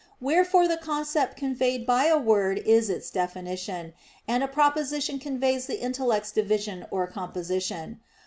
Wherefore the concept conveyed by a word is its definition; and a proposition conveys the intellect's division or composition.